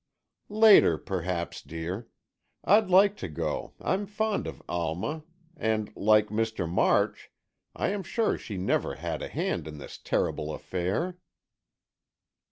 "Later, perhaps, dear. I'd like to go, I'm fond of Alma and, like Mr. March, I am sure she never had a hand in this terrible affair."